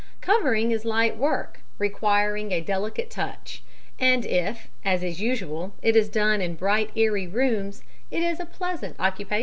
Covering is light work requiring a delicate touch, and if, as is usual, it is done in bright airy rooms, is a pleasant occupation.